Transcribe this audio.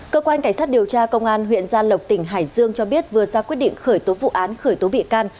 cơ quan cảnh sát điều tra công an huyện gia lộc tỉnh hải dương cho biết vừa ra quyết định khởi tố vụ án khởi tố bị can